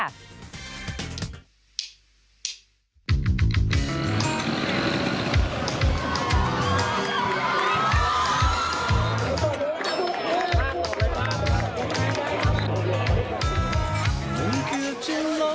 มันเหนื่อยมันรักเหมือนแท้